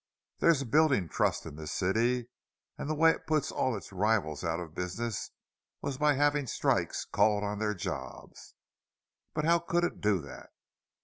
There's a building trust in this city, and the way it put all its rivals out of business was by having strikes called on their jobs." "But how could it do that?"